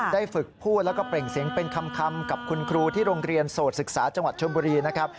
ได้ฝึกพูดแล้วก็เปล่งเสียงเป็นคำกับคุณครูที่โรงเรียนโสดศึกษาจังหวัดชนบุรีนะครับ